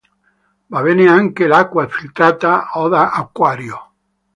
Va bene anche l'acqua filtrata o da acquario.